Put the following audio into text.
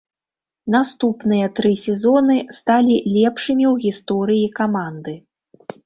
Наступныя тры сезоны сталі лепшымі ў гісторыі каманды.